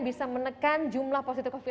bisa menekan jumlah positif covid sembilan